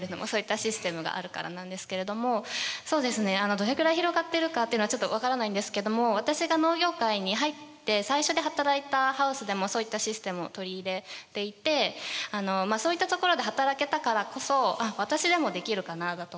どれくらい広がってるかっていうのはちょっと分からないんですけども私が農業界に入って最初に働いたハウスでもそういったシステムを取り入れていてそういったところで働けたからこそ私でもできるかなだとか